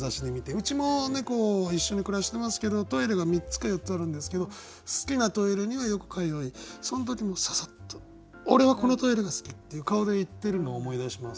うちも猫一緒に暮らしてますけどトイレが３つか４つあるんですけど好きなトイレにはよく通いその時もササッと「俺はこのトイレが好き」っていう顔で行ってるのを思い出します。